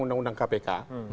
karena undang kpk